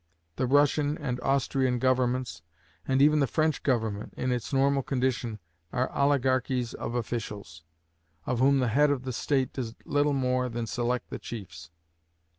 The Russian and Austrian governments, and even the French government in its normal condition, are oligarchies of officials, of whom the head of the state does little more than select the chiefs.